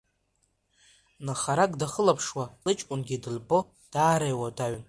Нхарак дахылаԥшуа, лыҷкәынгьы дылбо, даара иуадаҩын.